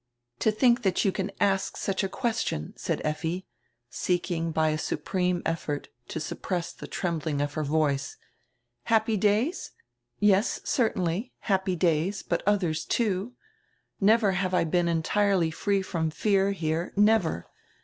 "To think diat you can ask such a question!" said Effi, seeking hy a supreme effort to suppress die trembling of her voice. "Happy days! Yes, certainly, happy days, hut others, too. Never have I heen entirely free from fear here, never.